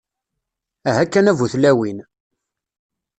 Aha kan a bu-tlawin!